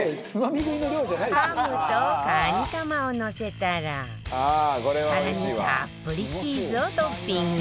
ハムとカニカマをのせたら更にたっぷりチーズをトッピング